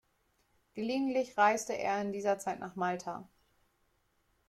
Gelegentlich reiste er in dieser Zeit nach Malta.